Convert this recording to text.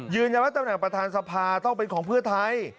ยืนอย่างว่าตำแหน่งประธานสภาคุณผู้ชมต้องเป็นของเพื่อไทย